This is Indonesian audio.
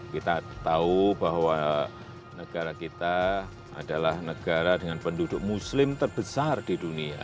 kita tahu bahwa negara kita adalah negara dengan penduduk muslim terbesar di dunia